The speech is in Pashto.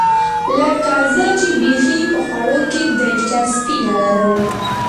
لکه زه چې بیخي په خوړو کې دلچسپي نه لرم.